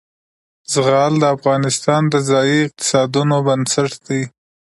زغال د افغانستان د ځایي اقتصادونو بنسټ دی.